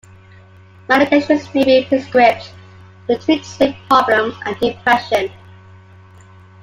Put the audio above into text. Medications may be prescribed to treat sleep problems and depression.